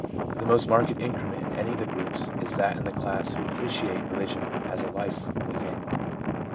The most marked increment in any of the groups is that in the class who appreciate religion as a life within.